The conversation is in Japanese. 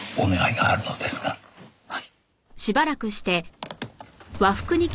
はい。